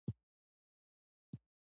ساینسپوهان د اقتصادي اهدافو لپاره اندېښمن دي.